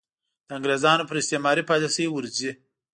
د انګرېزانو پر استعماري پالیسۍ ورځي.